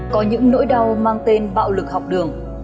có những nỗi đau mang tên bạo lực học đường